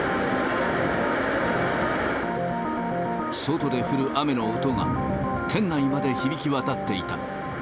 外で降る雨の音が、店内まで響き渡っていた。